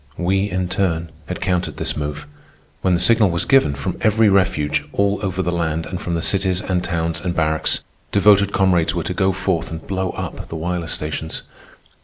We, in turn, had countered this move. When the signal was given, from every refuge, all over the land, and from the cities, and towns, and barracks, devoted comrades were to go forth and blow up the wireless stations.